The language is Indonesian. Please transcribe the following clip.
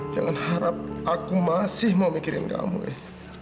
jangan harap aku masih mau mikirin kamu eh